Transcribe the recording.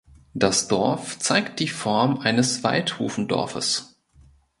Das Dorf zeigt die Form eines Waldhufendorfes.